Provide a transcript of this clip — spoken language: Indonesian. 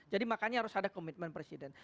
jadi makanya harus ada komitmen presiden